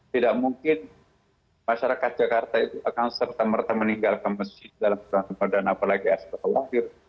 tidak mungkin masyarakat jakarta itu akan serta merta meninggalkan masjid dalam keadaan apalagi astagfirullah